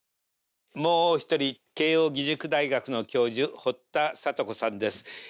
もうお一人慶應義塾大学の教授堀田聰子さんです。